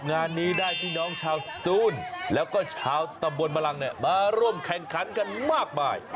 งานนี้ได้พี่น้องชาวสตูนแล้วก็ชาวตำบลบรังมาร่วมแข่งขันกันมากมาย